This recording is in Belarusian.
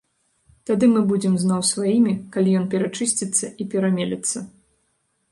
Тады мы будзем зноў сваімі, калі ён перачысціцца і перамелецца.